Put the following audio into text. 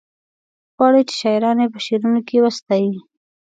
غواړي چې شاعران یې په شعرونو کې وستايي.